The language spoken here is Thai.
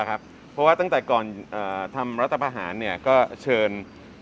เพราะว่าตั้งแต่จากก่อนทำระตบการณ์ก็เชิญ